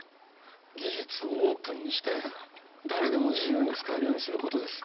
技術をオープンにして誰でも自由に使えるようにすることです